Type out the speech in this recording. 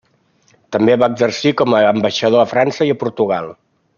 També va exercir com a ambaixador a França i Portugal.